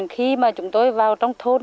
khi mà chúng tôi vào trong thôn